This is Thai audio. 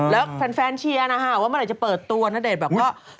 แล้วแฟนเชียร์นะคะว่าเมื่อไหร่จะเปิดตัวณเดชน์แบบว่า